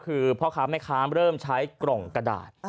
คือพ่อค้าแม่ค้าเริ่มใช้กล่องกระดาษ